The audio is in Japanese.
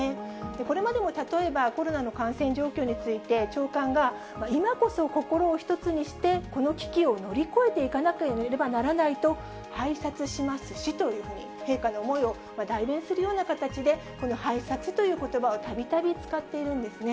これまでも例えば、コロナの感染状況について、長官が今こそ心を一つにして、この危機を乗り越えていかなければならないと拝察しますしというふうに、陛下の思いを代弁するような形で、この拝察ということばをたびたび使っているんですね。